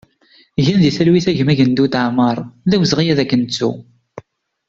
Gen di talwit a gma Gendud Amar, d awezɣi ad k-nettu!